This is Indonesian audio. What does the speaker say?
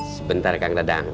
sebentar kang dadang